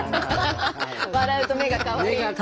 「笑うと目がかわいい」。